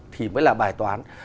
thì mới là bài toán